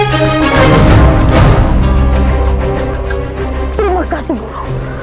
terima kasih buru